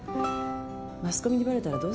マスコミにばれたらどうするの。